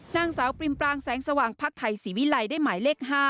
นางสาวปริมปรางแสงสว่างพักไทยศรีวิลัยได้หมายเลข๕